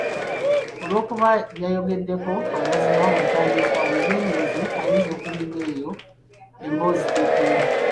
Olwokuba yayogeddeko amazima mu ntandikwa; weegendereze ayinza okulimba eyo emboozi gy’eggweera.